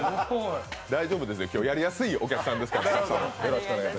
大丈夫ですよ、今日やりやすいお客さんですから。